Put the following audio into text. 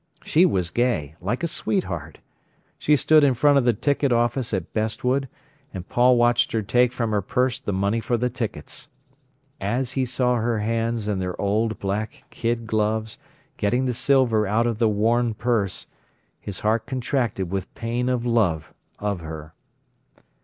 She was gay, like a sweetheart. She stood in front of the ticket office at Bestwood, and Paul watched her take from her purse the money for the tickets. As he saw her hands in their old black kid gloves getting the silver out of the worn purse, his heart contracted with pain of love of her.